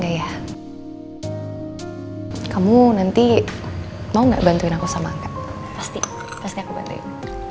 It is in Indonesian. gaya kamu nanti mau ngebantuin aku sama enggak pasti pasti aku bantuin